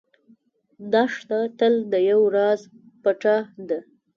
دښته تل د یو راز پټه ده.